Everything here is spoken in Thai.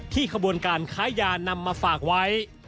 ขบวนการค้ายานำมาฝากไว้